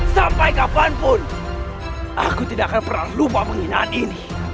sampai kapanpun aku tidak akan pernah lupa penghinaan ini